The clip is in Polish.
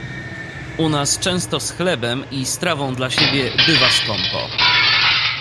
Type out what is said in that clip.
"U nas często z chlebem i strawą dla siebie bywa skąpo..."